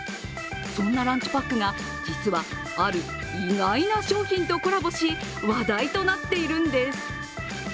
そんなランチパックが実は、ある意外な商品とコラボし話題となっているんです。